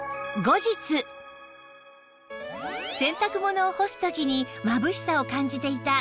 洗濯物を干す時にまぶしさを感じていた今井さんは